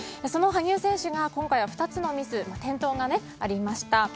その羽生選手が今回は２つのミス、転倒がありました。